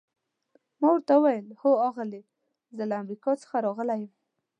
ما ورته وویل: هو آغلې، زه له امریکا څخه راغلی یم.